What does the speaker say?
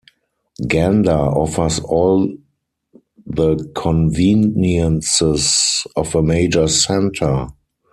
Gander offers all the conveniences of a major centre.